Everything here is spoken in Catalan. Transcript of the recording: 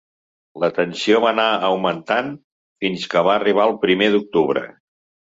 La tensió va anar augmentant fins que va arribar el primer d’octubre.